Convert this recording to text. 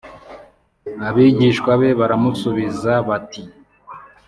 Abigishwa be baramusubiza bati